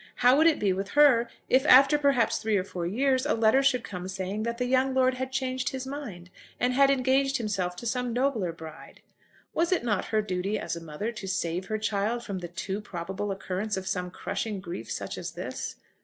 How would it be with her if, after perhaps three or four years, a letter should come saying that the young lord had changed his mind, and had engaged himself to some nobler bride? Was it not her duty, as a mother, to save her child from the too probable occurrence of some crushing grief such as this?